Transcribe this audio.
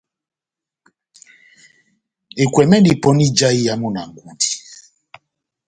Ekwɛmi endi pɔni ija iyamu na ngudi